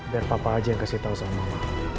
biar papa aja yang kasih tau sama mama